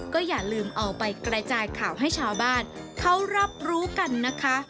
ก็อย่าลืมเอาไปกระจายข่าวให้ชาวบ้านเขารับรู้กันนะคะ